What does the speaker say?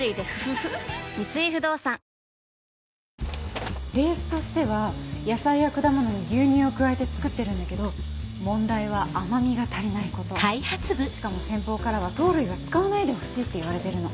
三井不動産ベースとしては野菜や果物に牛乳を加えて作ってるんだけど問題は甘みが足りないことしかも先方からは糖類は使わないでほしいって言われてるの。